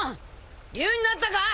竜になったか？